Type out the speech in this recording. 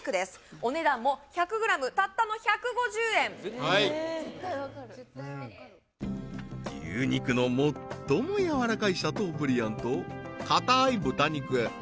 お値段も１００ｇたったの１５０円絶対わかる絶対わかる牛肉の最も軟らかいシャトーブリアンと硬ーい豚肉